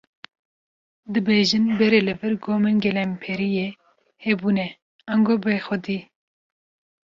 Dibêjin berê li vir gomên gelemperiyê hebûne, ango bêxwedî.